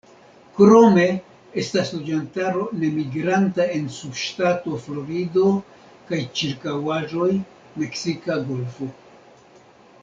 Krome estas loĝantaro nemigranta en subŝtato Florido kaj ĉirkaŭaĵoj -Meksika golfo-.